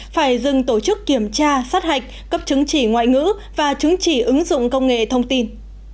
phải dừng tổ chức kiểm tra sát hạch cấp chứng chỉ ngoại ngữ và chứng chỉ ứng dụng công nghệ thông tin